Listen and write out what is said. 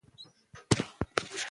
ایا کولی شو ډیوډرنټ د شپې وکاروو؟